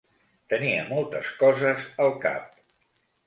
Tenia moltes coses al cap.